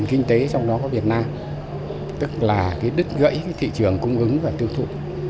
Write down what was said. kinh tế trong đó có việt nam tức là đứt gãy thị trường cung ứng và tiêu thụ